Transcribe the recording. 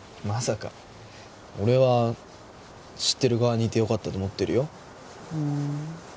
まさか俺は知ってる側にいてよかったと思ってるよふん